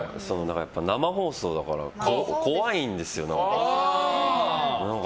生放送だから怖いんですよ、何か。